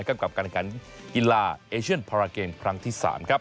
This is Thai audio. กับการการกินกีฬาเอเชียนพาราเกมพรั้งที่๓